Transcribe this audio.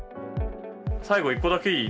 最後１個だけいい？